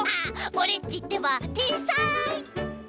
オレっちってばてんさい！